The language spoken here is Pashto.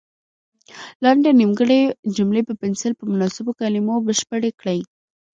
لاندې نیمګړې جملې په پنسل په مناسبو کلمو بشپړې کړئ.